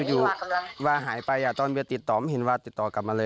ยังอยู่หรอกไม่ได้ไปไหนไม่ใครแตะข่าวมันก็ออกไปนั้นแหละ